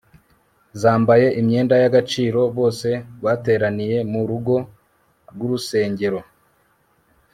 zambaye imyenda y'agaciro, bose bateraniye mu rugo rw'urusengero